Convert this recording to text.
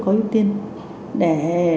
có ưu tiên để